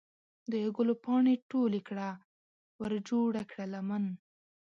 د ګلو پاڼې ټولې کړه ورجوړه کړه لمن